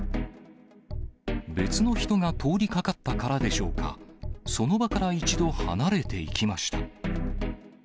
別の人が通りかかったからでしょうか、その場から一度離れていきました。